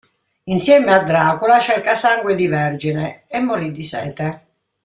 Insieme a "Dracula cerca sangue di vergine... e morì di sete!!!